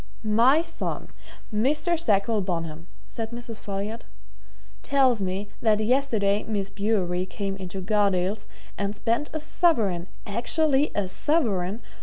"My son, Mr. Sackville Bonham," said Mrs. Folliot, "tells me that yesterday Miss Bewery came into Gardales' and spent a sovereign actually a sovereign!